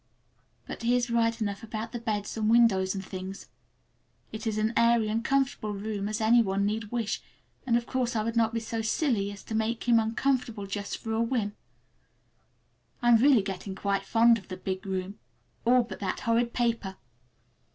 But he is right enough about the beds and windows and things. It is as airy and comfortable a room as any one need wish, and, of course, I would not be so silly as to make him uncomfortable just for a whim. I'm really getting quite fond of the big room, all but that horrid paper.